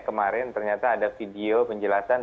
kemarin ternyata ada video penjelasan